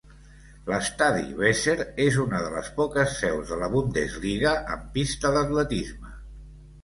L'estadi Weser és una de les poques seus de la Bundesliga amb pista d'atletisme.